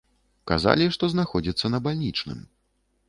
Казалі, што знаходзіцца на бальнічным.